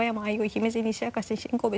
姫路西明石新神戸